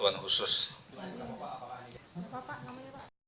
pokoknya pun lima tahun setelah hadir